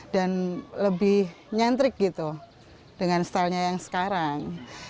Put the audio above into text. dan lebih nyentrik gitu dengan stylenya yang sekarang